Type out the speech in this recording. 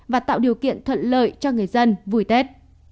và tạo điều kiện thuận lợi cho người dân vui tết